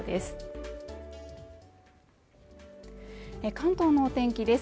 関東のお天気です